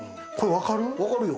分かるよ。